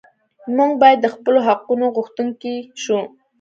موږ باید د خپلو حقونو غوښتونکي شو.